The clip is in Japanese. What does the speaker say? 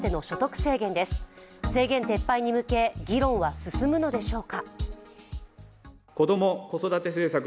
制限撤廃に向け、議論は進むのでしょうか。